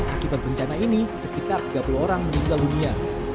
akibat bencana ini sekitar tiga puluh orang meninggal dunia